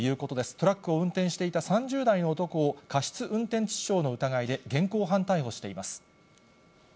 トラックを運転していた３０代の男を、過失運転致死傷の疑いで現行犯逮捕しています。